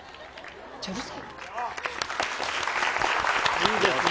いいですね。